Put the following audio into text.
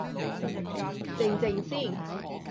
靜靜先